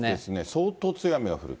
相当強い雨が降る。